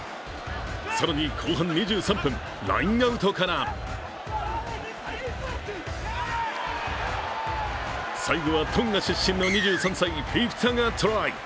更に後半２３分、ラインアウトから最後はトンガ出身の２３歳フィフィタがトライ。